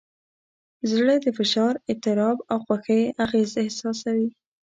زړه د فشار، اضطراب، او خوښۍ اغېز احساسوي.